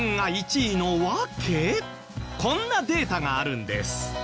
こんなデータがあるんです。